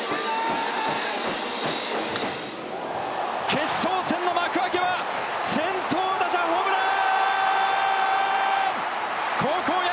決勝戦の幕あけは先頭打者ホームラン！